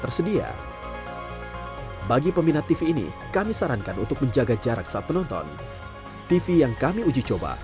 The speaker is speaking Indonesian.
tersedia bagi peminat tv ini kami sarankan untuk menjaga jarak saat penonton tv yang kami uji coba